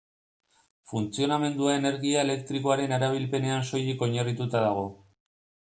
Funtzionamendua energia elektrikoaren erabilpenean soilik oinarrituta dago.